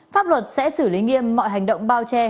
pháp luật sẽ xử lý nghiêm mọi hành động bao che